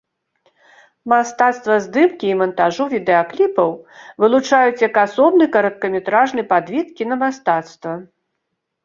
Мастацтва здымкі і мантажу відэакліпаў вылучаюць як асобны кароткаметражны падвід кінамастацтва.